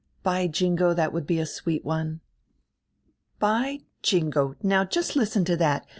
By Jingo, diat would be a sweet one." '"By Jingo.' Now just listen to diat.